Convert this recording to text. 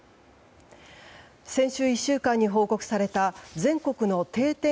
先週１週間に報告された全国の定点